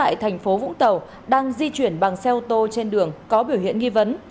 hùng và một thanh niên khác trú tại tp vũng tàu đang di chuyển bằng xe ô tô trên đường có biểu hiện nghi vấn